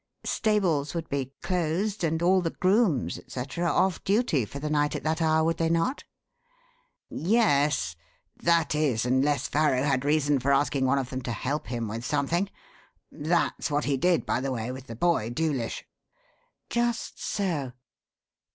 Stables would be closed and all the grooms, et cetera, off duty for the night at that hour, would they not?" "Yes. That is, unless Farrow had reason for asking one of them to help him with something. That's what he did, by the way, with the boy, Dewlish." "Just so.